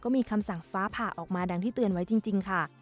มีคำสั่งฟ้าผ่าออกมาดังที่เตือนไว้จริงค่ะ